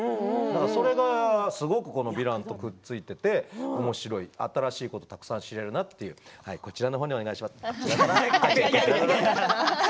それがすごくヴィランとくっついていておもしろい新しいことをたくさん知ることができるなって思います。